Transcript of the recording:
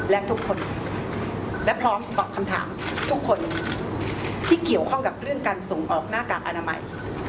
และทุกคนและพร้อมตอบคำถามทุกคนที่เกี่ยวข้องกับเรื่องการส่งออกหน้ากากอนามัย